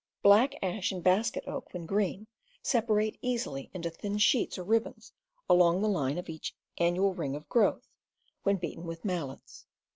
Black ash and basket oak, when green, separate easily into thin sheets or ribbons along the line of each annual ring of growth, when beaten with mallets.